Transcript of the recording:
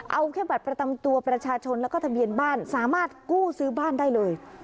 เอาแค่บัตรประจำตัวประชาชนแล้วก็ทะเบียนบ้านสามารถกู้ซื้อบ้านได้เลย